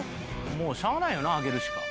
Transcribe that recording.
もうしゃあないよな上げるしか。